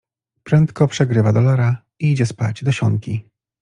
Prędko przegrywa dolara i idzie spać do sionki.